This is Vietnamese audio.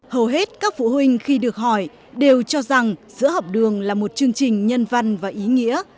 hầu hết các phụ huynh khi được hỏi đều cho rằng sữa học đường là một chương trình nhân văn và ý nghĩa